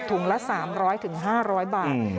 ละ๓๐๐๕๐๐บาท